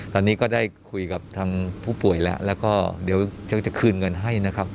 ตอนนี้ก็ได้คุยกับผู้ป่วยแล้วเดี๋ยวจะคืนเงินให้